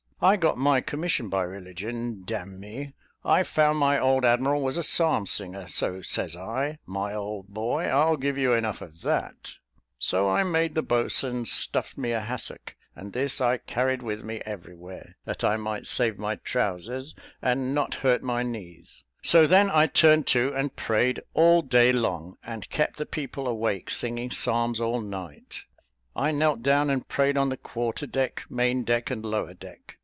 I got my commission by religion, d n me. I found my old admiral was a psalm singer; so says I, 'my old boy, I'll give you enough of that,' so I made the boatswain stuff me a hassock, and this I carried with me every where, that I might save my trowsers, and not hurt my knees; so then I turned to and prayed all day long, and kept the people awake, singing psalms all night. I knelt down and prayed on the quarter deck, main deck, and lower deck.